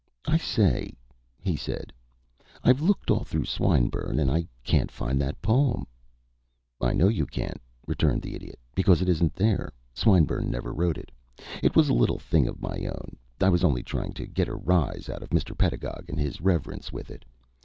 "I say," he said, "I've looked all through Swinburne, and I can't find that poem." "I know you can't," returned the Idiot, "because it isn't there. Swinburne never wrote it. It was a little thing of my own. I was only trying to get a rise out of Mr. Pedagog and his Reverence with it.